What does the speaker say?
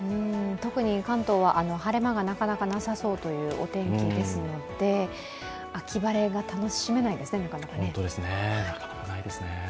特に関東は晴れ間がなかなかなさそうというお天気ですので秋晴れが楽しめないですね、なかなか。